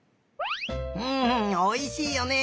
んおいしいよね！